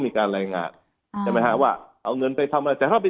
ไม่รู้ว่าใครเป็นใครไง